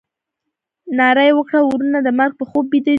ناره یې وکړه ورونه د مرګ په خوب بیده دي.